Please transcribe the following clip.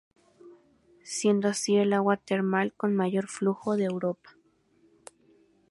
Siendo así el agua termal con mayor flujo de Europa.